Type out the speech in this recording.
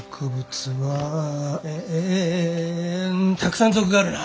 えたくさん属があるな！